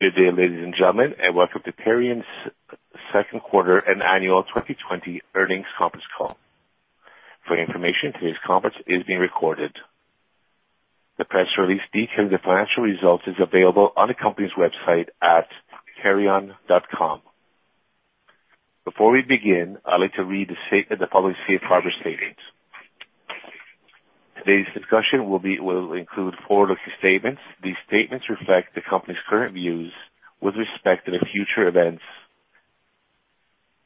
Good day, ladies and gentlemen, and welcome to Perion's second quarter and annual 2020 earnings conference call. For your information, today's conference is being recorded. The press release detailing the financial results is available on the company's website at perion.com. Before we begin, I'd like to read the following safe harbor statement. Today's discussion will include forward-looking statements. These statements reflect the company's current views with respect to the future events.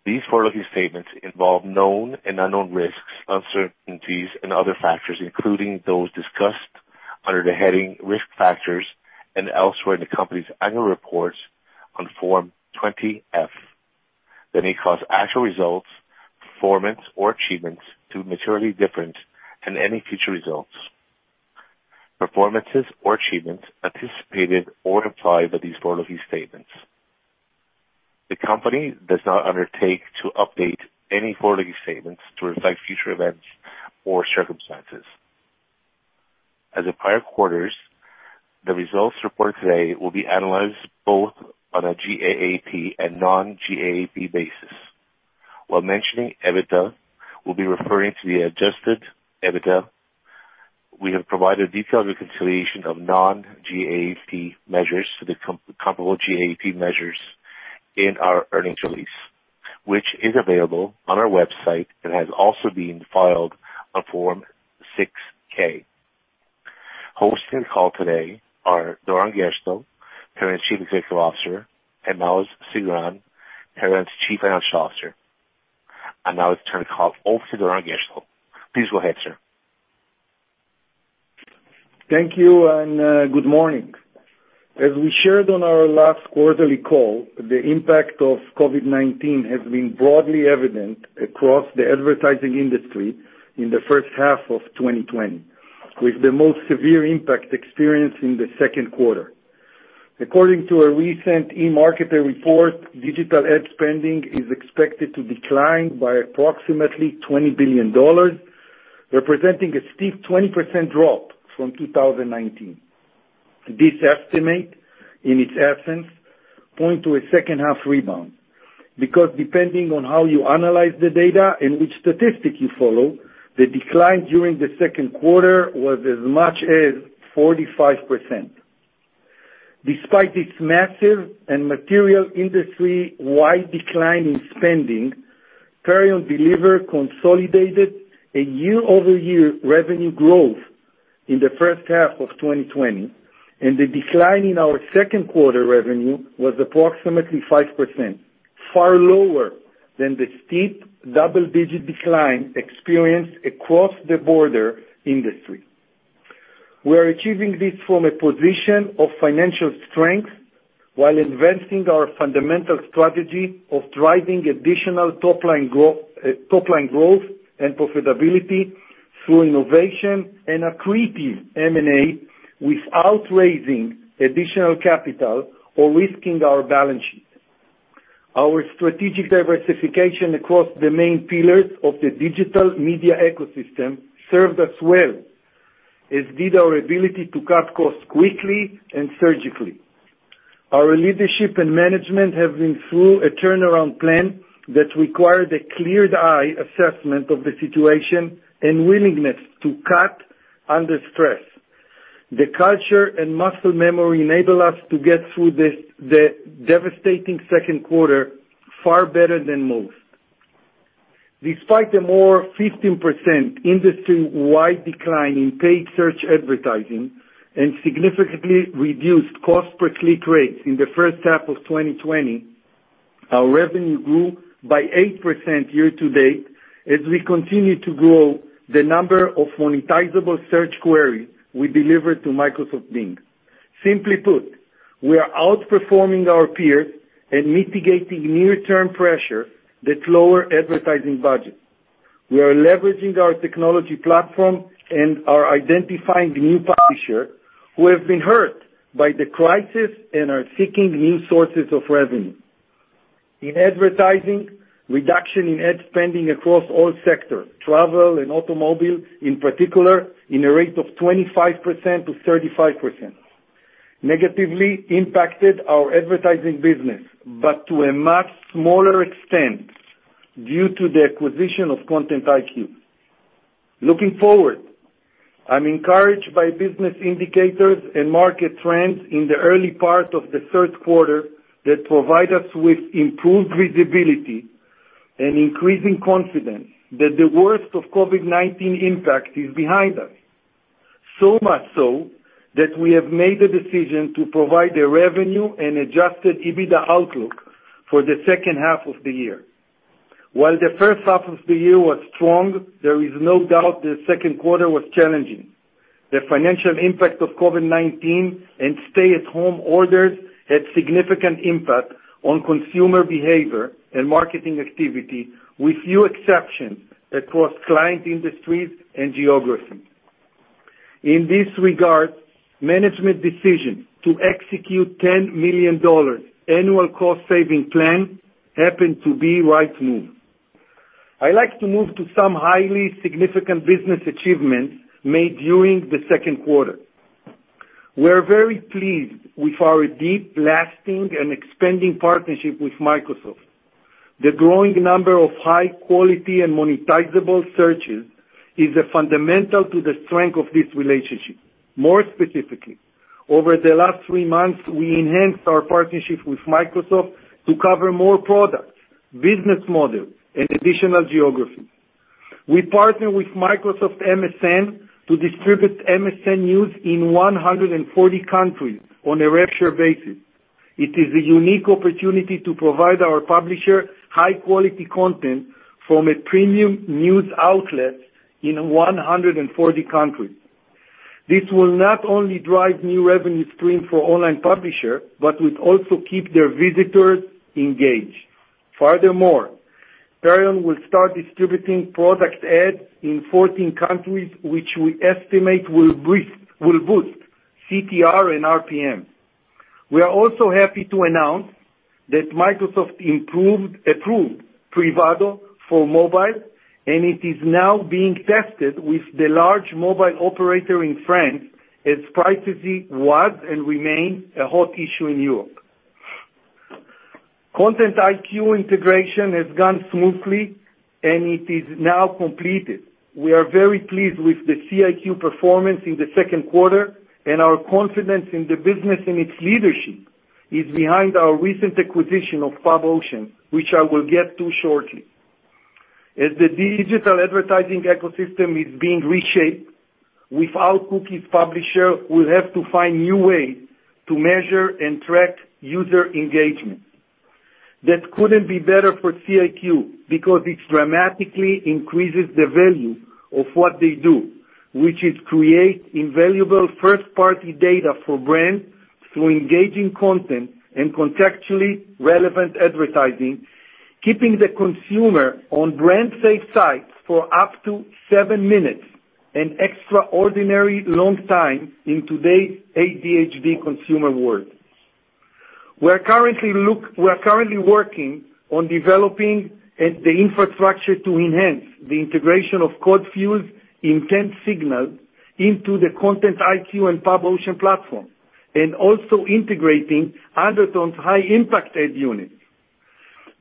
These forward-looking statements involve known and unknown risks, uncertainties, and other factors, including those discussed under the heading "Risk Factors" and elsewhere in the company's annual reports on Form 20-F that may cause actual results, performance, or achievements to materially different than any future results, performances, or achievements anticipated or implied by these forward-looking statements. The company does not undertake to update any forward-looking statements to reflect future events or circumstances. As in prior quarters, the results reported today will be analyzed both on a GAAP and non-GAAP basis. While mentioning EBITDA, we'll be referring to the adjusted EBITDA. We have provided a detailed reconciliation of non-GAAP measures to the comparable GAAP measures in our earnings release, which is available on our website and has also been filed on Form 6-K. Hosting the call today are Doron Gerstel, Perion's Chief Executive Officer, and Maoz Sigron, Perion's Chief Financial Officer. I now turn the call over to Doron Gerstel. Please go ahead, sir. Thank you, and good morning. As we shared on our last quarterly call, the impact of COVID-19 has been broadly evident across the advertising industry in the first half of 2020, with the most severe impact experienced in the second quarter. According to a recent eMarketer report, digital ad spending is expected to decline by approximately $20 billion, representing a steep 20% drop from 2019. This estimate, in its essence, point to a second half rebound. Depending on how you analyze the data and which statistic you follow, the decline during the second quarter was as much as 45%. Despite its massive and material industry-wide decline in spending, Perion delivered consolidated a year-over-year revenue growth in the first half of 2020, and the decline in our second quarter revenue was approximately 5%, far lower than the steep double-digit decline experienced across the broader industry. We are achieving this from a position of financial strength while advancing our fundamental strategy of driving additional top-line growth and profitability through innovation and accretive M&A without raising additional capital or risking our balance sheet. Our strategic diversification across the main pillars of the digital media ecosystem served us well, as did our ability to cut costs quickly and surgically. Our leadership and management have been through a turnaround plan that required a clear-eyed assessment of the situation and willingness to cut under stress. The culture and muscle memory enable us to get through the devastating second quarter far better than most. Despite a more 15% industry-wide decline in paid search advertising and significantly reduced cost per click rates in the first half of 2020, our revenue grew by 8% year to date as we continue to grow the number of monetizable search queries we deliver to Microsoft Bing. Simply put, we are outperforming our peers and mitigating near-term pressure that lower advertising budgets. We are leveraging our technology platform and are identifying new publishers who have been hurt by the crisis and are seeking new sources of revenue. In advertising, reduction in ad spending across all sectors, travel and automobile, in particular, in a rate of 25%-35%, negatively impacted our advertising business, but to a much smaller extent due to the acquisition of ContentIQ. Looking forward, I'm encouraged by business indicators and market trends in the early part of the third quarter that provide us with improved visibility and increasing confidence that the worst of COVID-19 impact is behind us. So much so that we have made the decision to provide a revenue and adjusted EBITDA outlook for the second half of the year. While the first half of the year was strong, there is no doubt the second quarter was challenging. The financial impact of COVID-19 and stay-at-home orders had significant impact on consumer behavior and marketing activity, with few exceptions across client industries and geography. In this regard, management decision to execute $10 million annual cost-saving plan happened to be right move. I like to move to some highly significant business achievements made during the second quarter. We're very pleased with our deep, lasting, and expanding partnership with Microsoft. The growing number of high-quality and monetizable searches is fundamental to the strength of this relationship. More specifically, over the last three months, we enhanced our partnership with Microsoft to cover more products, business models, and additional geographies. We partner with Microsoft MSN to distribute MSN news in 140 countries on a rev-share basis. It is a unique opportunity to provide our publisher high-quality content from a premium news outlet in 140 countries. This will not only drive new revenue streams for online publishers, but will also keep their visitors engaged. Furthermore, Perion will start distributing product ads in 14 countries which we estimate will boost CTR and RPM. We are also happy to announce that Microsoft approved Privado for mobile, and it is now being tested with the large mobile operator in France, as privacy was and remains a hot issue in Europe. ContentIQ integration has gone smoothly, and it is now completed. We are very pleased with the CIQ performance in the second quarter, and our confidence in the business and its leadership is behind our recent acquisition of Pub Ocean, which I will get to shortly. As the digital advertising ecosystem is being reshaped, without cookies, publishers will have to find new ways to measure and track user engagement. That couldn't be better for CIQ because it dramatically increases the value of what they do, which is create invaluable first-party data for brands through engaging content and contextually relevant advertising, keeping the consumer on brand-safe sites for up to seven minutes, an extraordinary long time in today's ADHD consumer world. We're currently working on developing the infrastructure to enhance the integration of CodeFuel's intent signal into the ContentIQ and Pub Ocean platform, and also integrating Undertone's high-impact ad units.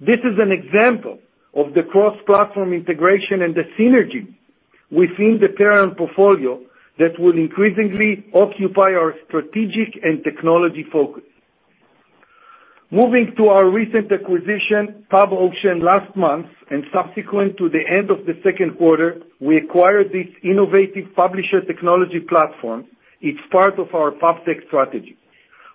This is an example of the cross-platform integration and the synergy within the Perion portfolio that will increasingly occupy our strategic and technology focus. Moving to our recent acquisition, Pub Ocean, last month and subsequent to the end of the second quarter, we acquired this innovative publisher technology platform. It's part of our PubTech strategy.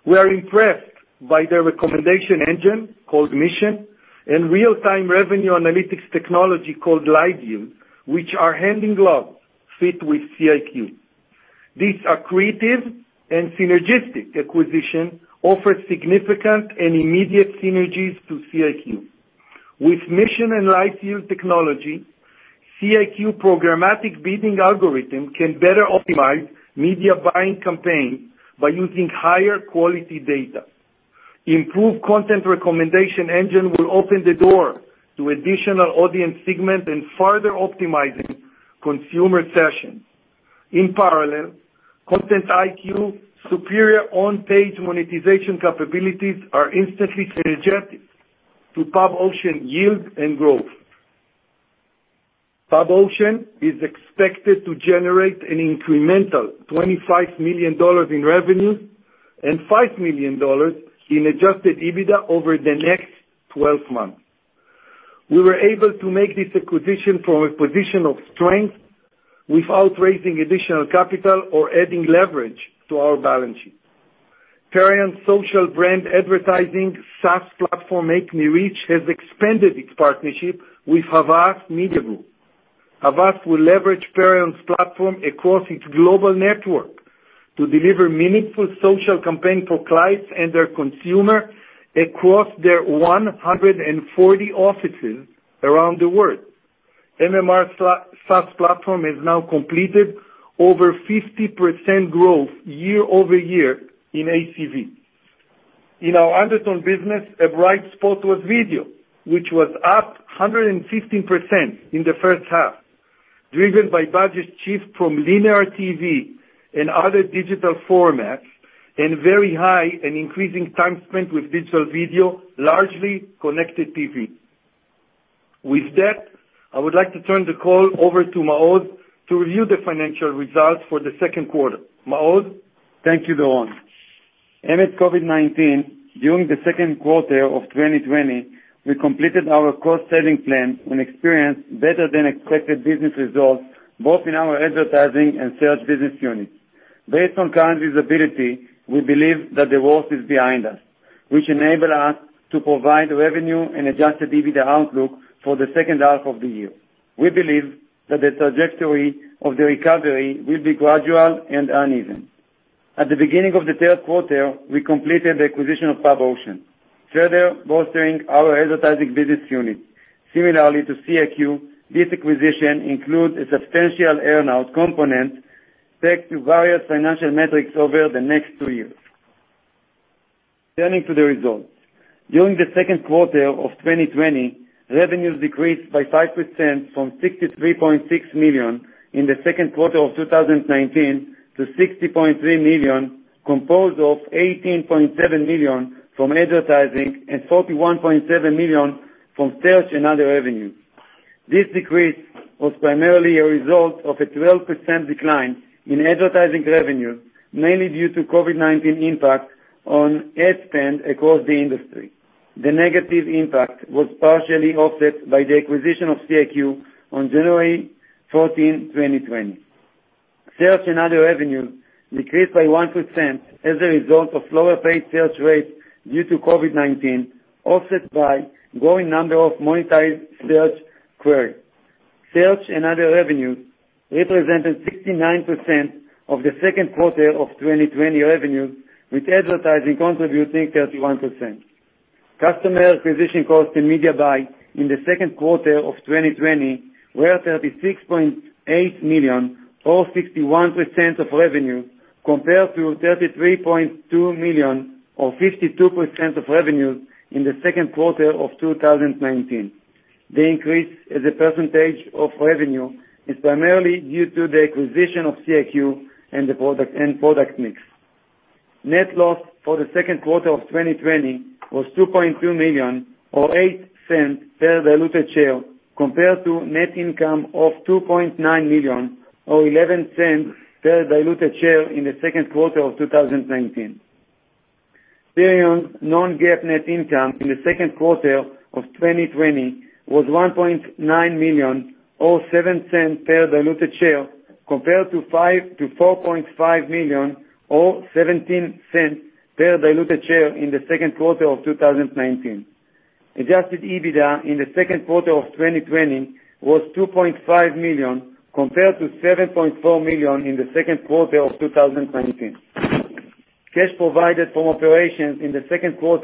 We are impressed by their recommendation engine, called Mission, and real-time revenue analytics technology called LiveYield, which are hand in glove fit with CIQ. This accretive and synergistic acquisition offers significant and immediate synergies to CIQ. With Mission and LiveYield technology, CIQ programmatic bidding algorithm can better optimize media buying campaigns by using higher-quality data. Improved content recommendation engine will open the door to additional audience segments and further optimizing consumer sessions. In parallel, ContentIQ superior on-page monetization capabilities are instantly synergetic to Pub Ocean yield and growth. Pub Ocean is expected to generate an incremental $25 million in revenue and $5 million in adjusted EBITDA over the next 12 months. We were able to make this acquisition from a position of strength without raising additional capital or adding leverage to our balance sheet. Perion's social brand advertising SaaS platform, MakeMeReach, has expanded its partnership with Havas Media Group. Havas will leverage Perion's platform across its global network to deliver meaningful social campaigns for clients and their consumers across their 140 offices around the world. MMR SaaS platform has now completed over 50% growth year-over-year in ACV. In our Undertone business, a bright spot was video, which was up 115% in the first half, driven by budgets shift from linear TV and other digital formats, and very high and increasing time spent with digital video, largely connected TV. With that, I would like to turn the call over to Maoz to review the financial results for the second quarter. Maoz? Thank you, Doron. Amid COVID-19, during the second quarter of 2020, we completed our cost-saving plan and experienced better than expected business results both in our advertising and search business units. Based on current visibility, we believe that the worst is behind us, which enable us to provide revenue and adjusted EBITDA outlook for the second half of the year. We believe that the trajectory of the recovery will be gradual and uneven. At the beginning of the third quarter, we completed the acquisition of Pub Ocean, further bolstering our advertising business unit. Similarly to CIQ, this acquisition includes a substantial earn-out component pegged to various financial metrics over the next two years. Turning to the results. During the second quarter of 2020, revenues decreased by 5% from $63.6 million in the second quarter of 2019 to $60.3 million, composed of $18.7 million from advertising and $41.7 million from search and other revenues. This decrease was primarily a result of a 12% decline in advertising revenues, mainly due to COVID-19 impact on ad spend across the industry. The negative impact was partially offset by the acquisition of CIQ on January 14, 2020. Search and other revenues decreased by 1% as a result of lower paid search rates due to COVID-19, offset by growing number of monetized search queries. Search and other revenues represented 69% of the Q2 2020 revenues, with advertising contributing 31%. Customer acquisition costs and media buy in Q2 2020 were $36.8 million, or 61% of revenue, compared to $33.2 million, or 52% of revenue in Q2 2019. The increase as a percentage of revenue is primarily due to the acquisition of CIQ and product mix. Net loss for Q2 2020 was $2.2 million, or $0.08 per diluted share, compared to net income of $2.9 million, or $0.11 per diluted share in Q2 2019. Perion's non-GAAP net income in Q2 2020 was $1.9 million, or $0.07 per diluted share, compared to $4.5 million or $0.17 per diluted share in Q2 2019. Adjusted EBITDA in Q2 2020 was $2.5 million compared to $7.4 million in Q2 2019. Cash provided from operations in Q2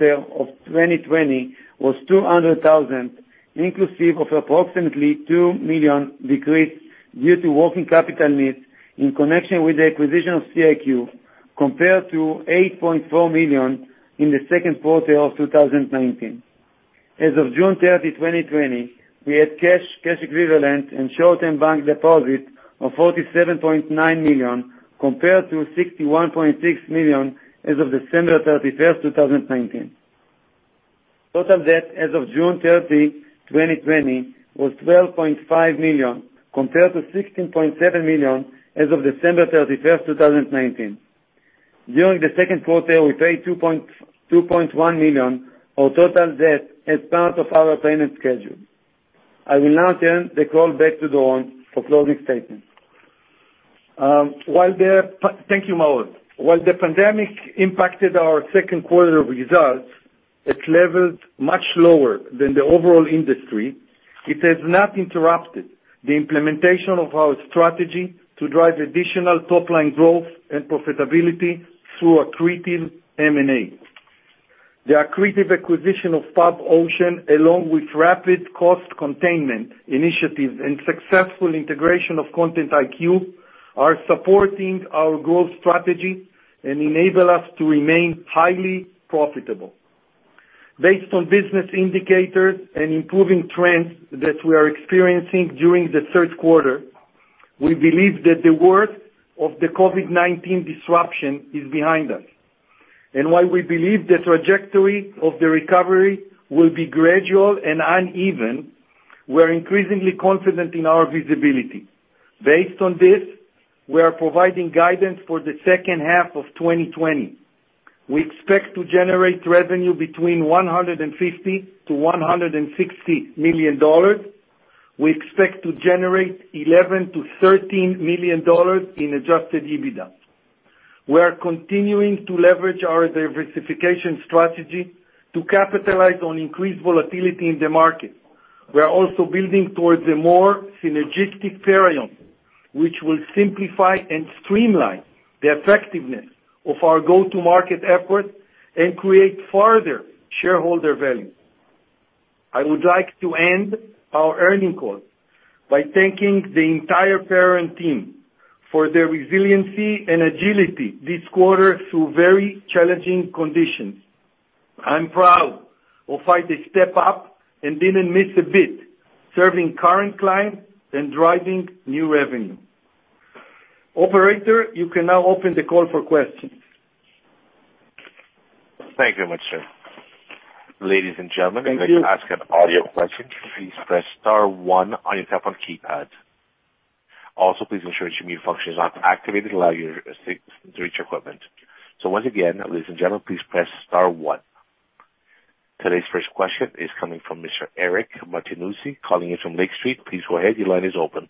2020 was $200,000, inclusive of approximately $2 million decrease due to working capital needs in connection with the acquisition of CIQ, compared to $8.4 million in Q2 2019. As of June 30, 2020, we had cash equivalents, and short-term bank deposits of $47.9 million, compared to $61.6 million as of December 31, 2019. Total debt as of June 30, 2020, was $12.5 million, compared to $16.7 million as of December 31, 2019. During the second quarter, we paid $2.1 million on total debt as part of our payment schedule. I will now turn the call back to Doron for closing statements. Thank you, Maoz. While the pandemic impacted our second quarter results at levels much lower than the overall industry, it has not interrupted the implementation of our strategy to drive additional top-line growth and profitability through accretive M&A. The accretive acquisition of Pub Ocean, along with rapid cost containment initiatives and successful integration of ContentIQ, are supporting our growth strategy and enable us to remain highly profitable. Based on business indicators and improving trends that we are experiencing during the third quarter, we believe that the worst of the COVID-19 disruption is behind us. While we believe the trajectory of the recovery will be gradual and uneven, we're increasingly confident in our visibility. Based on this, we are providing guidance for the second half of 2020. We expect to generate revenue between $150 million-$160 million. We expect to generate $11 million-$13 million in adjusted EBITDA. We are continuing to leverage our diversification strategy to capitalize on increased volatility in the market. We are also building towards a more synergistic Perion, which will simplify and streamline the effectiveness of our go-to-market efforts and create further shareholder value. I would like to end our earning call by thanking the entire Perion team for their resiliency and agility this quarter through very challenging conditions. I'm proud of how they stepped up and didn't miss a beat, serving current clients and driving new revenue. Operator, you can now open the call for questions. Thank you very much, sir. Ladies and gentlemen. Thank you. You'd like to ask an audio question, please press star one on your telephone keypad. Please ensure your mute function is not activated to allow you to speak through your equipment. Once again, ladies and gentlemen, please press star one. Today's first question is coming from Mr. Eric Martinuzzi, calling in from Lake Street. Please go ahead, your line is open.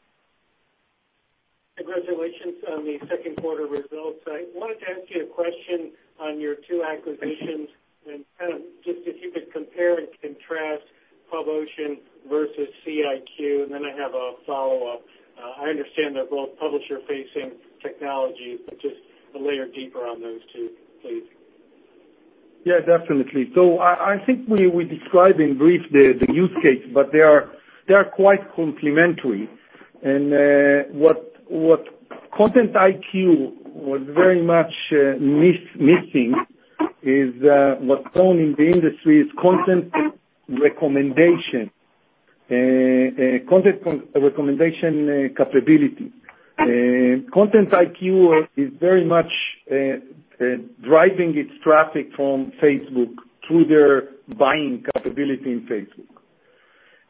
Congratulations on the second quarter results. I wanted to ask you a question on your two acquisitions and kind of just if you could compare and contrast Pub Ocean versus CIQ, and then I have a follow-up. I understand they're both publisher-facing technologies, but just a layer deeper on those two, please. Yeah, definitely. I think we described in brief the use case, but they are quite complementary. And what ContentIQ was very much missing is what's known in the industry as content recommendation capability. ContentIQ is very much driving its traffic from Facebook through their buying capability in Facebook.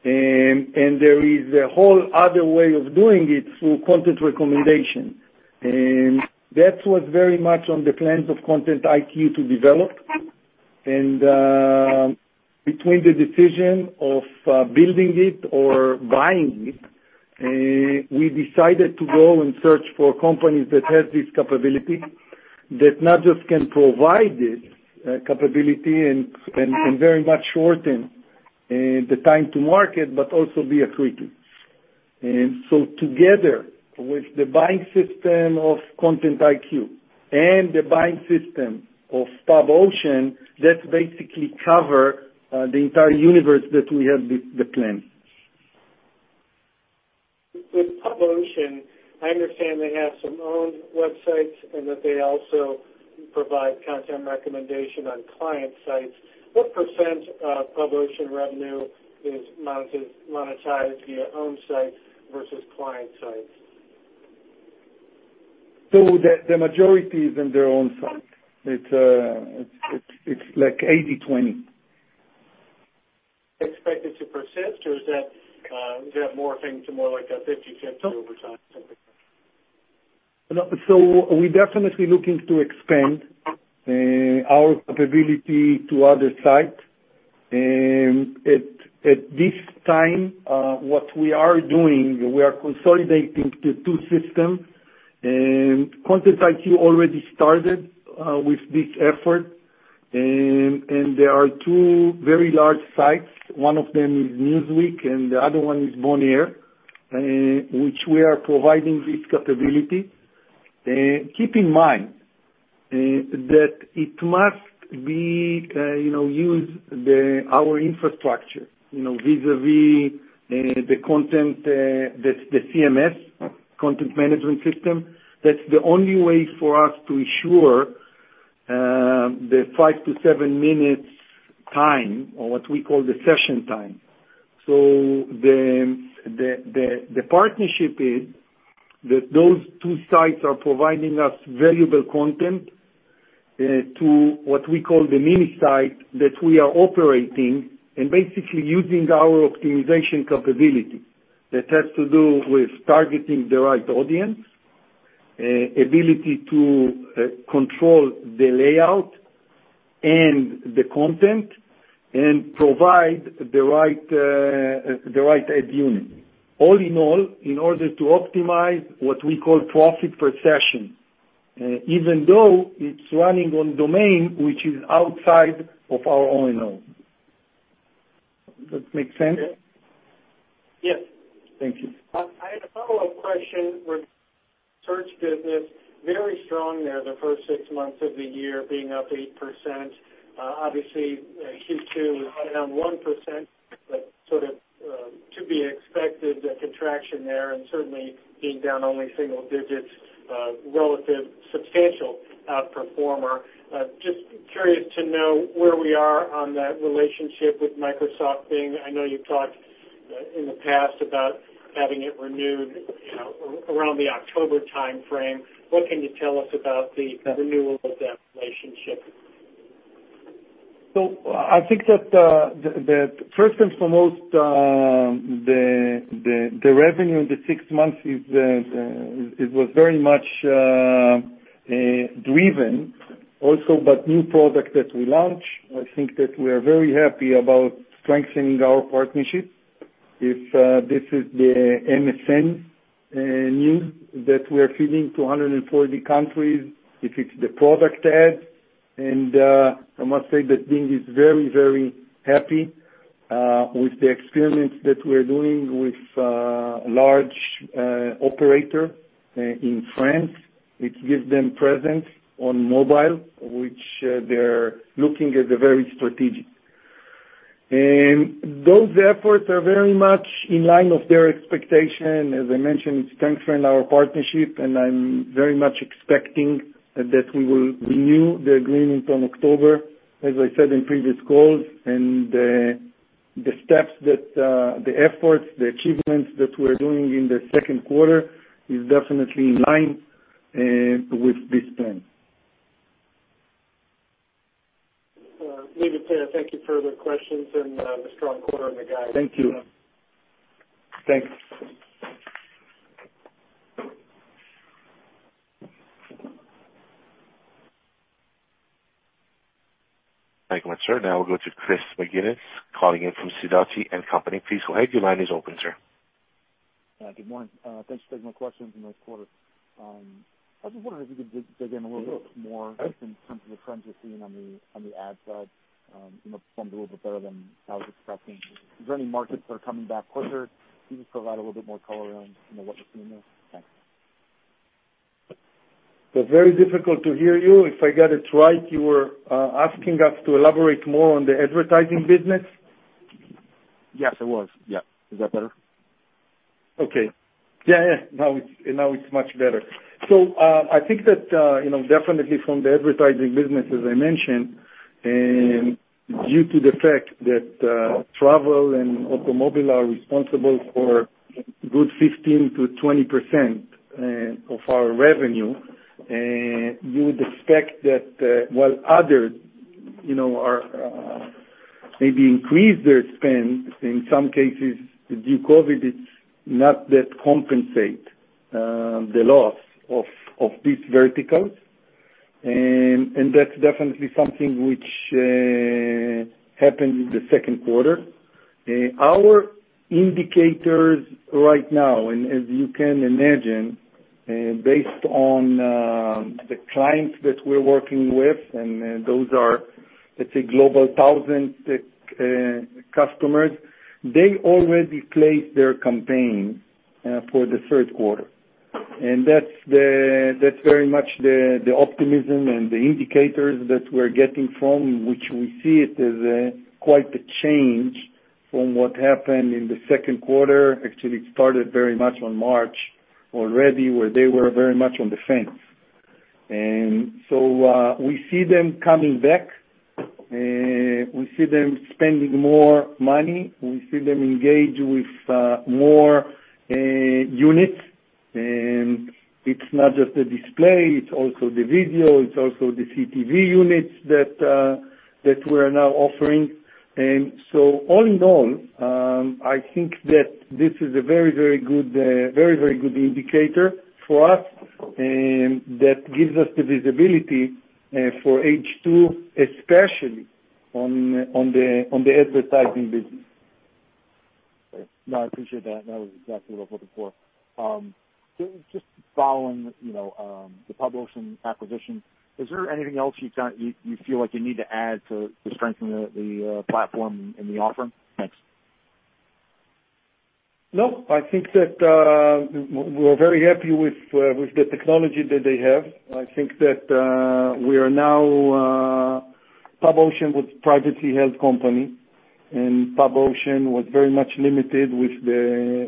There is a whole other way of doing it through content recommendation. That was very much on the plans of ContentIQ to develop. Between the decision of building it or buying it, we decided to go and search for companies that have this capability, that not just can provide this capability and very much shorten the time to market, but also be accretive, together with the buying system of ContentIQ and the buying system of Pub Ocean, that basically cover the entire universe that we had the plan. With Pub Ocean, I understand they have some owned websites and that they also provide content recommendation on client sites. What percent of Pub Ocean revenue is monetized via owned sites versus client sites? The majority is in their own site. It's like 80/20. Expected to persist, or is that morphing to more like a 50/50 over time? We're definitely looking to expand our capability to other sites. At this time, what we are doing, we are consolidating the two systems, and ContentIQ already started with this effort. There are two very large sites. One of them is Newsweek, and the other one is Bonnier, which we are providing this capability. Keep in mind that it must use our infrastructure, vis-a-vis the CMS, content management system. That's the only way for us to ensure the five to seven minutes time, or what we call the session time. The partnership is that those two sites are providing us valuable content to what we call the mini site that we are operating and basically using our optimization capability. That has to do with targeting the right audience, ability to control the layout and the content, and provide the right ad unit. All in all, in order to optimize what we call profit per session, even though it is running on domain, which is outside of our own. That make sense? Yes. Thank you. I had a follow-up question with search business, very strong there the first six months of the year being up 8%. Obviously, Q2 was down 1%. Sort of to be expected, a contraction there, and certainly being down only single digits, relative substantial outperformer. Just curious to know where we are on that relationship with Microsoft Bing. I know you've talked in the past about having it renewed around the October timeframe. What can you tell us about the renewal of that relationship? I think that first and foremost, the revenue in the six months, it was very much driven also by new product that we launched. I think that we are very happy about strengthening our partnership. If this is the MSN that we are feeding to 140 countries, if it's the product ad, and I must say that Bing is very, very happy with the experiments that we're doing with large operator in France, which gives them presence on mobile, which they're looking at very strategic. Those efforts are very much in line of their expectation. As I mentioned, it's strengthening our partnership, and I'm very much expecting that we will renew the agreement on October, as I said in previous calls. The steps that the efforts, the achievements that we're doing in the second quarter is definitely in line with this plan. thank you. Further questions and the strong quarter on the guide. Thank you. Thanks. Thank you much, sir. Now we'll go to Christopher McGinnis, calling in from Sidoti & Company. Please wait. Your line is open, sir. Good morning. Thanks for taking my questions on the quarter. I was just wondering if you could dig in a little bit more just in terms of the trends you're seeing on the ad side. It sounds a little bit better than I was expecting. Is there any markets that are coming back quicker? Can you just provide a little bit more color on what you're seeing there? Thanks. It's very difficult to hear you. If I got it right, you were asking us to elaborate more on the advertising business? Yes, I was. Yeah. Is that better? Okay. Yeah. Now it's much better. I think that definitely from the advertising business, as I mentioned, and due to the fact that travel and automobile are responsible for a good 15%-20% of our revenue, you would expect that while others maybe increase their spend, in some cases, due to COVID-19, it's not that compensate the loss of these verticals. That's definitely something which happened in the second quarter. Our indicators right now, and as you can imagine, based on the clients that we're working with, and those are, let's say, global 1,000 customers, they already placed their campaign for the third quarter. That's very much the optimism and the indicators that we're getting from which we see it as quite a change from what happened in the second quarter. Actually, it started very much on March already, where they were very much on the fence. We see them coming back, we see them spending more money, we see them engage with more units. It's not just the display, it's also the video, it's also the CTV units that we're now offering. All in all, I think that this is a very, very good indicator for us, and that gives us the visibility for H2, especially on the advertising business. No, I appreciate that. That was exactly what I was looking for. Just following the Pub Ocean acquisition, is there anything else you feel like you need to add to strengthen the platform and the offering? Thanks. I think that we're very happy with the technology that they have. I think that we are now, Pub Ocean was a privately held company, and Pub Ocean was very much limited with their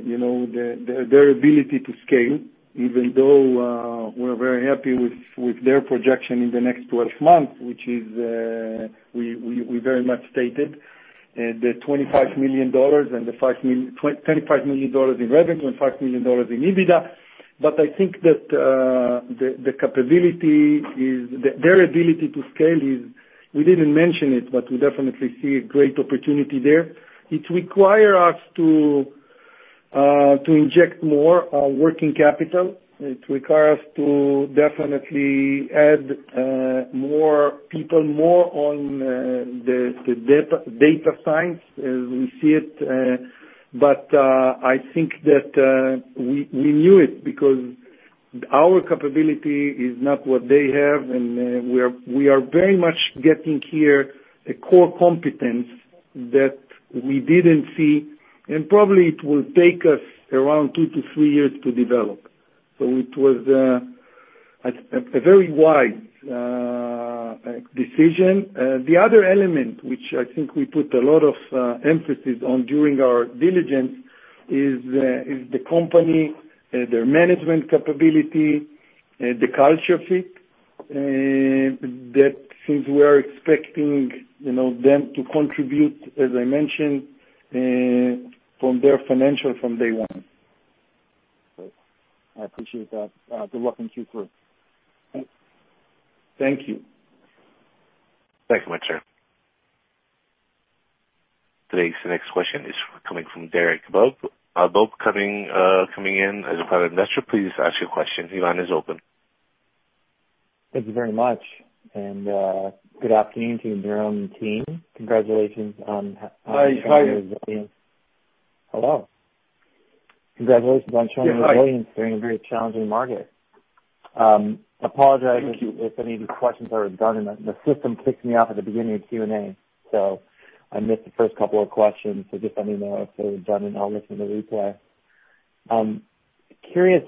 ability to scale, even though we're very happy with their projection in the next 12 months, which is, we very much stated, the $25 million in revenue and $5 million in EBITDA. I think that their ability to scale is, we didn't mention it, but we definitely see a great opportunity there. It require us to inject more working capital. It require us to definitely add more people, more on the data science, as we see it. I think that we knew it because our capability is not what they have, and we are very much getting here a core competence that we didn't see, and probably it will take us around two to three years to develop. It was a very wise decision. The other element, which I think we put a lot of emphasis on during our diligence, is the company, their management capability, the culture fit, that since we are expecting them to contribute, as I mentioned, from their financial from day one. Great. I appreciate that. Good luck on Q4. Thank you. Thanks very much, sir. Today's next question is coming from Derek Abogue, coming in as a private investor, please ask your question. Your line is open. Thank you very much. Good afternoon to Doron and team. Congratulations on. Hi. Hello. Congratulations. Yeah, hi. Showing resilience during a very challenging market. Thank you. If any of these questions already done in the system kicked me off at the beginning of Q&A, so I missed the first couple of questions. Just let me know if they were done, and I'll listen to replay. Curious,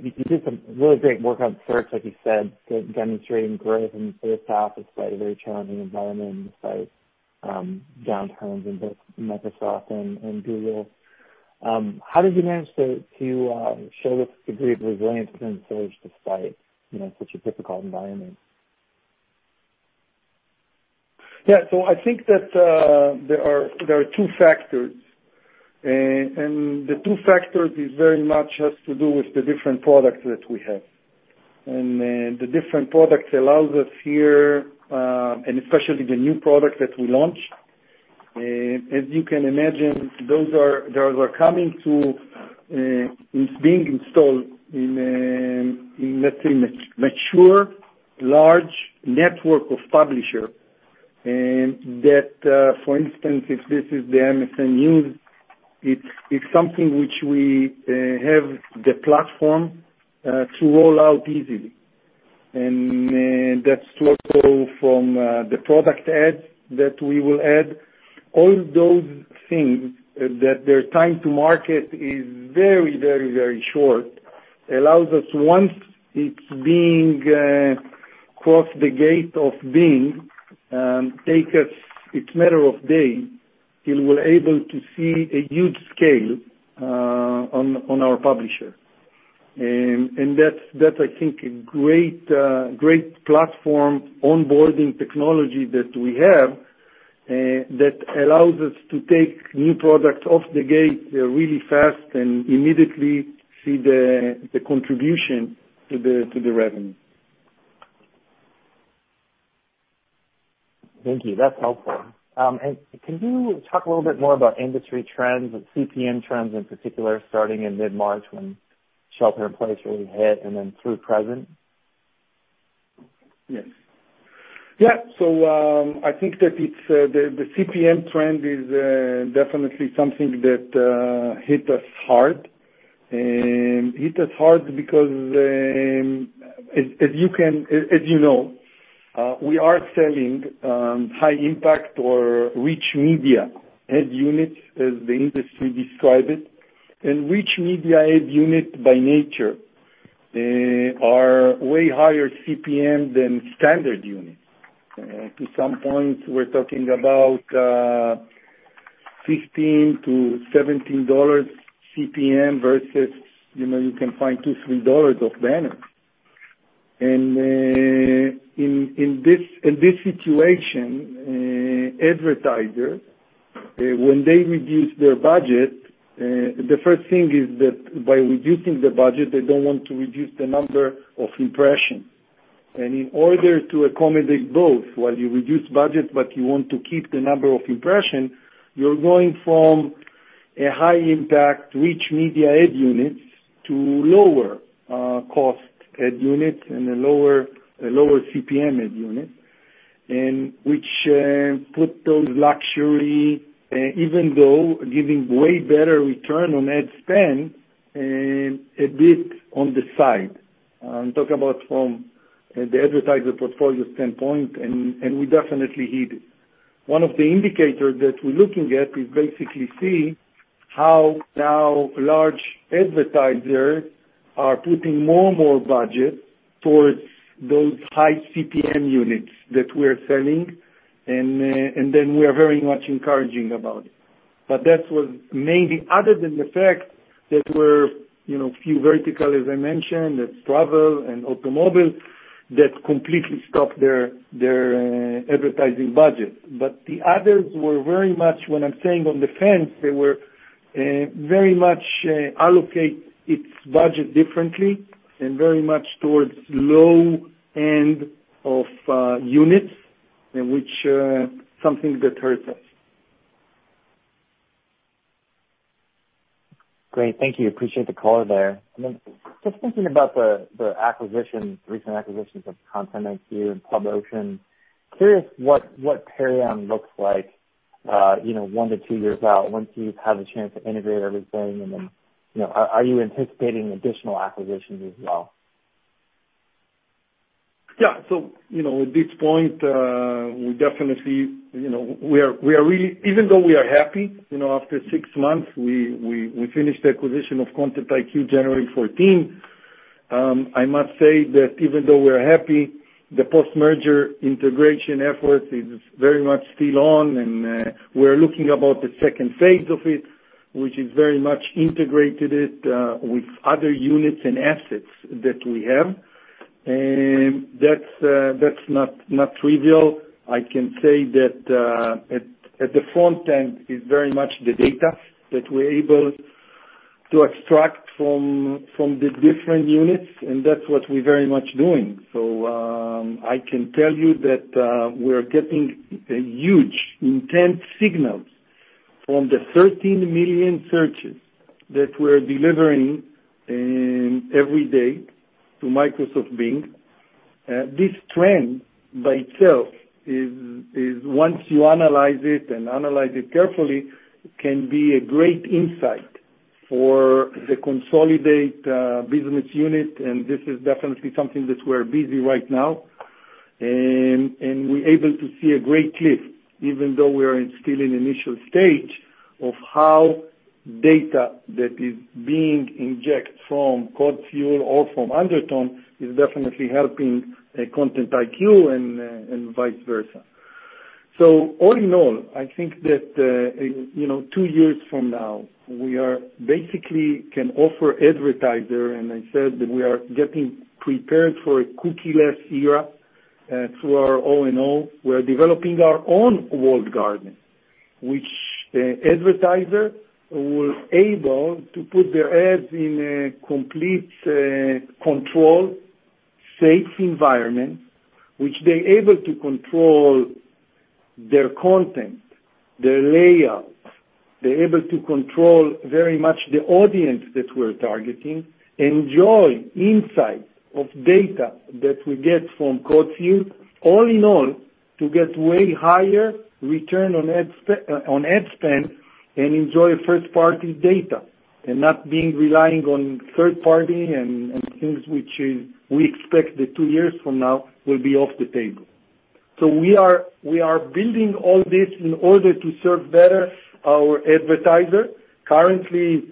you did some really great work on search, like you said, demonstrating growth in the first half, despite a very challenging environment, despite downturns in both Microsoft and Google. How did you manage to show this degree of resilience in search despite such a difficult environment? Yeah. I think that there are two factors. The two factors is very much has to do with the different products that we have. The different products allows us here, and especially the new product that we launched. As you can imagine, those are coming to, it's being installed in, let's say, mature, large network of publisher. That, for instance, if this is the MSN News, it's something which we have the platform, to roll out easily. That's also from the product ad that we will add. All those things, that their time to market is very short, allows us, once it's being crossed the gate of Bing, take us, it's matter of day, till we're able to see a huge scale on our publisher. That's, I think, a great platform onboarding technology that we have, that allows us to take new products off the gate really fast and immediately see the contribution to the revenue. Thank you. That's helpful. Can you talk a little bit more about industry trends and CPM trends in particular, starting in mid-March when shelter in place really hit and then through present? Yes. I think that the CPM trend is definitely something that hit us hard. Hit us hard because, as you know, we are selling high impact or rich media ad units, as the industry describe it. Rich media ad unit by nature are way higher CPM than standard units. To some point, we're talking about $15-$17 CPM versus you can find $2-$3 of banners. In this situation, advertisers, when they reduce their budget, the first thing is that by reducing the budget, they don't want to reduce the number of impression. In order to accommodate both, while you reduce budget but you want to keep the number of impression, you're going from a high impact rich media ad units to lower cost ad units and a lower CPM ad unit. Which put those luxury, even though giving way better return on ad spend, a bit on the side. I'm talking about from the advertiser portfolio standpoint, we definitely hit it. One of the indicators that we're looking at is basically see how now large advertisers are putting more budgets towards those high CPM units that we're selling, we are very much encouraging about it. That was maybe other than the fact that were few vertical, as I mentioned, that's travel and automobile, that completely stopped their advertising budget. The others were very much, when I'm saying on the fence, they were very much allocate its budget differently and very much towards low end of units, which something that hurts us. Great, thank you. Appreciate the color there. Just thinking about the recent acquisitions of ContentIQ and Pub Ocean, curious what Perion looks like one to two years out, once you've had a chance to integrate everything and then, are you anticipating additional acquisitions as well? Yeah. At this point, even though we are happy, after six months, we finished the acquisition of ContentIQ, January 14. I must say that even though we're happy, the post-merger integration effort is very much still on, and we're looking about the second phase of it, which is very much integrated it with other units and assets that we have. That's not trivial. I can say that at the front end is very much the data that we're able to extract from the different units, and that's what we're very much doing. I can tell you that we're getting a huge intense signals from the 13 million searches that we're delivering every day to Microsoft Bing. This trend by itself is, once you analyze it and analyze it carefully, can be a great insight for the consolidate business unit. This is definitely something that we're busy right now. We're able to see a great lift, even though we are still in initial stage of how data that is being injected from CodeFuel or from Undertone is definitely helping ContentIQ and vice versa. All in all, I think that two years from now, we are basically can offer advertisers. I said that we are getting prepared for a cookie-less era through our O&O. We're developing our own walled garden, which advertisers will be able to put their ads in a complete control, safe environment, which they're able to control their content, their layouts. They're able to control very much the audience that we're targeting, enjoy insight of data that we get from CodeFuel. All in all, to get way higher return on ad spend and enjoy first party data. Not being relying on third party and things which we expect that two years from now will be off the table. We are building all this in order to serve better our advertiser. Currently,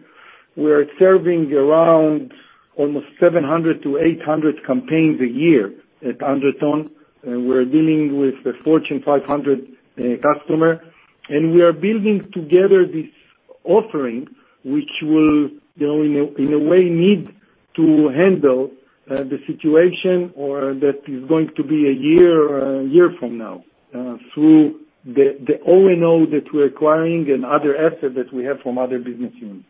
we are serving around almost 700-800 campaigns a year at Undertone, and we're dealing with the Fortune 500 customer, and we are building together this offering, which will, in a way, need to handle the situation or that is going to be a year from now, through the O&O that we're acquiring and other assets that we have from other business units.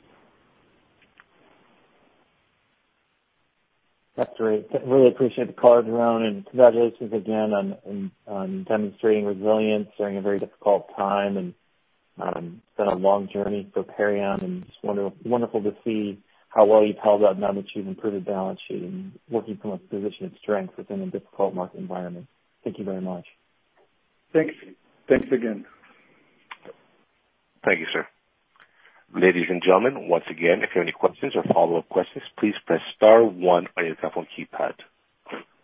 That's great. Really appreciate the color, Doron. Congratulations again on demonstrating resilience during a very difficult time. It's been a long journey for Perion. Just wonderful to see how well you've held up now that you've improved the balance sheet and working from a position of strength within a difficult market environment. Thank you very much. Thanks again. Thank you, sir. Ladies and gentlemen, once again, if you have any questions or follow-up questions, please press star one on your telephone keypad.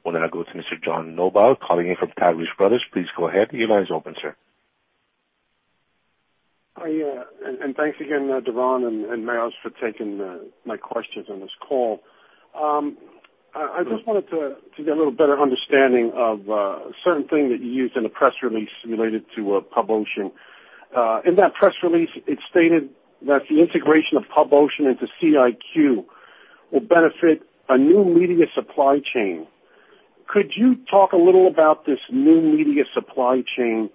We'll now go to Mr. John Noble calling in from Taggart Brothers. Please go ahead. The line is open, sir. Thanks again, Doron and Maoz for taking my questions on this call. I just wanted to get a little better understanding of a certain thing that you used in the press release related to Pub Ocean. In that press release, it stated that the integration of Pub Ocean into CIQ will benefit a new media supply chain. Could you talk a little about this new media supply chain,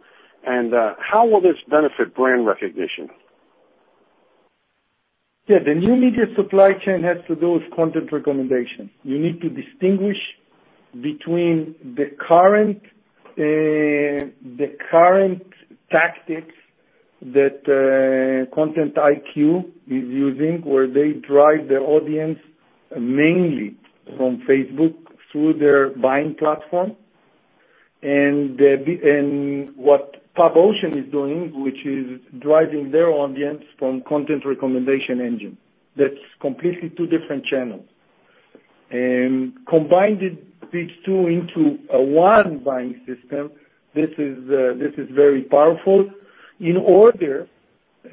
and how will this benefit brand recognition? Yeah, the new media supply chain has to do with content recommendation. You need to distinguish between the current tactics that ContentIQ is using, where they drive their audience mainly from Facebook through their buying platform. What Pub Ocean is doing, which is driving their audience from content recommendation engine. That's completely two different channels. Combining these two into one buying system, this is very powerful in order,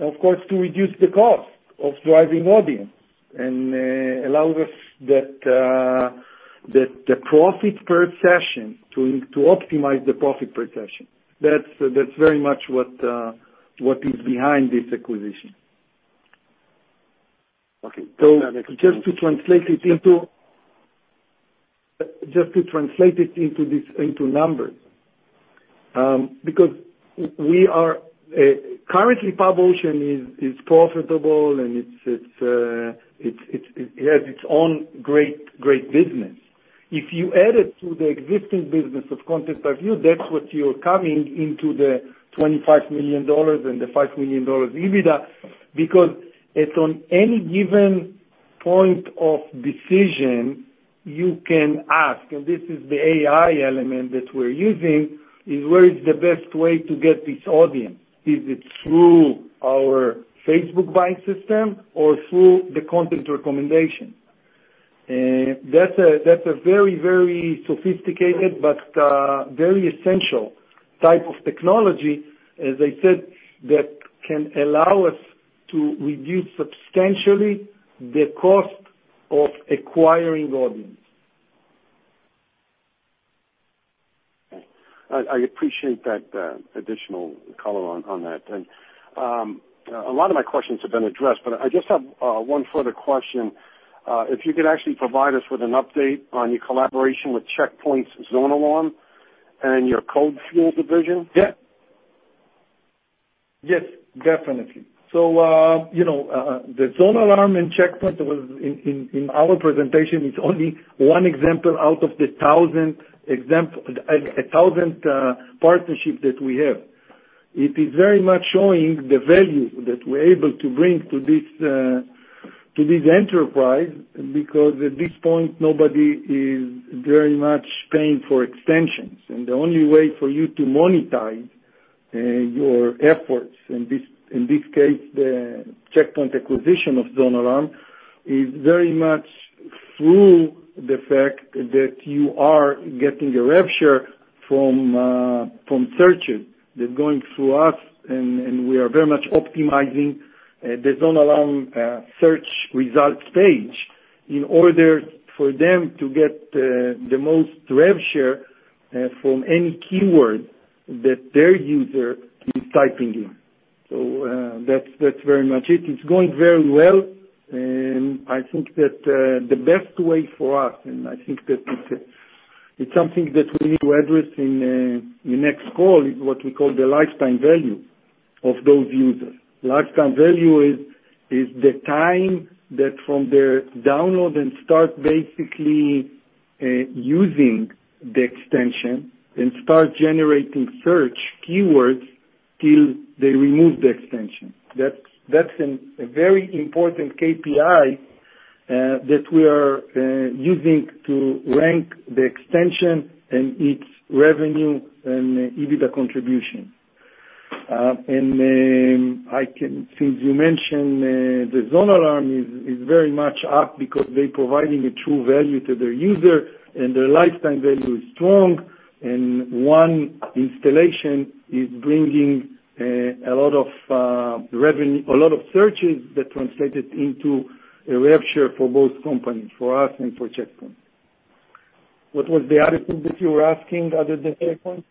of course, to reduce the cost of driving audience, and allows us the profit per session, to optimize the profit per session. That's very much what is behind this acquisition. Okay. Just to translate it into numbers, because currently Pub Ocean is profitable, and it has its own great business. If you add it to the existing business of ContentIQ, that's what you're coming into the $25 million and the $5 million EBITDA, because at any given point of decision, you can ask, and this is the AI element that we're using, is where is the best way to get this audience? Is it through our Facebook buying system or through the content recommendation? That's a very, very sophisticated but very essential type of technology, as I said, that can allow us to reduce substantially the cost of acquiring audience. Okay. I appreciate that additional color on that. A lot of my questions have been addressed, but I just have one further question. If you could actually provide us with an update on your collaboration with Check Point's ZoneAlarm and your CodeFuel division. Yeah. Yes, definitely. The ZoneAlarm and Check Point in our presentation is only one example out of the 1,000 partnerships that we have. It is very much showing the value that we're able to bring to this enterprise because at this point, nobody is very much paying for extensions. The only way for you to monetize your efforts, in this case, the Check Point acquisition of ZoneAlarm, is very much through the fact that you are getting a rev share from searches that's going through us, and we are very much optimizing the ZoneAlarm search results page in order for them to get the most rev share from any keyword that their user is typing in. That's very much it. It's going very well, and I think that the best way for us, and I think that it's something that we need to address in the next call, is what we call the lifetime value of those users. Lifetime value is the time that from their download and start basically using the extension and start generating search keywords till they remove the extension. That's a very important KPI that we are using to rank the extension and its revenue and EBITDA contribution. Since you mentioned, the ZoneAlarm is very much up because they're providing a true value to their user, and their lifetime value is strong, and one installation is bringing a lot of searches that translated into a rev share for both companies, for us and for Check Point. What was the other thing that you were asking, other than Check Point?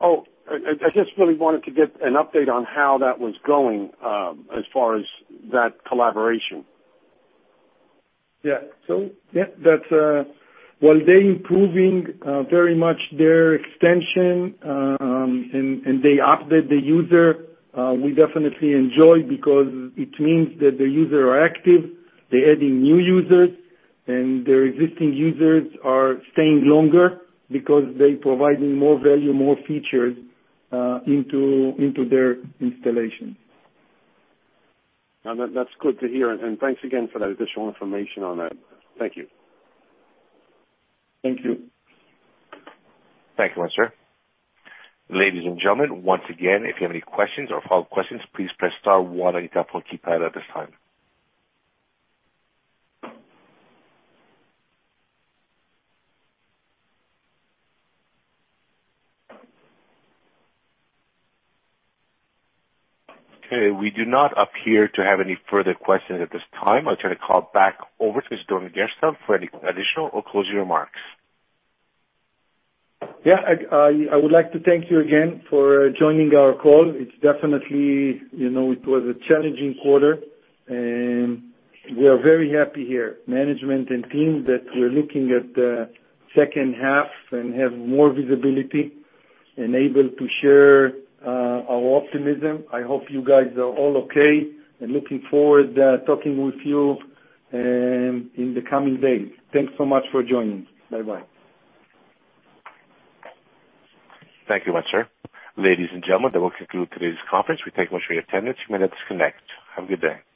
Oh, I just really wanted to get an update on how that was going, as far as that collaboration. Yeah. While they're improving very much their extension, and they update the user, we definitely enjoy because it means that the user are active. They're adding new users, and their existing users are staying longer because they're providing more value, more features, into their installation. That's good to hear, and thanks again for that additional information on that. Thank you. Thank you. Thank you, sir. Ladies and gentlemen, once again, if you have any questions or follow-up questions, please press star one on your telephone keypad at this time. Okay. We do not appear to have any further questions at this time. I'll turn the call back over to Doron Gerstel for any additional or closing remarks. I would like to thank you again for joining our call. It was a challenging quarter, and we are very happy here, management and team, that we're looking at the second half and have more visibility and able to share our optimism. I hope you guys are all okay, and looking forward to talking with you in the coming days. Thanks so much for joining. Bye-bye. Thank you, sir. Ladies and gentlemen, that will conclude today's conference. We thank much for your attendance. You may disconnect. Have a good day.